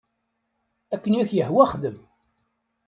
Akken i ak-yehwa xdem.